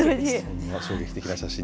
衝撃的な写真。